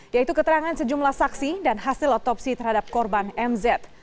yaitu keterangan sejumlah saksi dan hasil otopsi terhadap korban mz